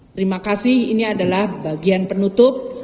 terima kasih ini adalah bagian penutup